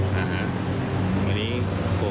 เป็นเรื่องของทุกอย่างเนอะ